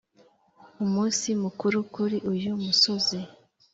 umunsi mukuru kuri uyu musozi,